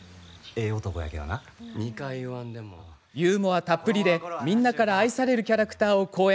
ユーモアたっぷりで、みんなから愛されるキャラクターを好演。